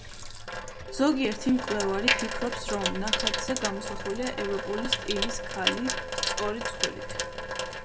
ზოგიერთი მკვლევარი ფიქრობს, რომ ნახატზე გამოსახულია ევროპული სტილის ქალი სწორი ცხვირით.